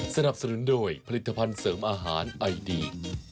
สนับสนุนโดยผลิตภัณฑ์เสริมอาหารไอดี